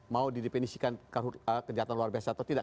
mau didefinisikan kejahatan luar biasa atau tidak